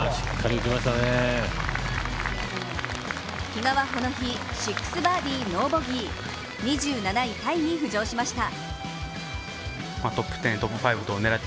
比嘉はこの日６バーディー・ノーボギー２７位タイに浮上しました。